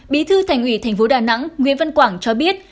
bí thư thành ủy thành phố đà nẵng nguyễn văn quảng cho biết